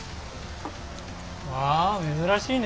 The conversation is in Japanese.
わあ珍しいねえ。